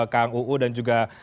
kang uu dan juga